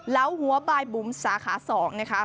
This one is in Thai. เหล้าหัวบายบุ๋มสาขา๒นะคะ